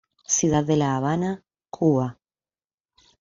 Ciudad de la Habana.Cuba.